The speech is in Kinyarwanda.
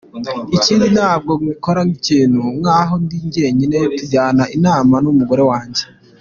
Ikindi ntabwo nkikora ikintu nkaho ndi njyenyine, tujyana inama n’umugore wanjye.